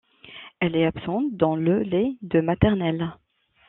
Elle est absente dans le lait de maternel.